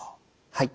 はい。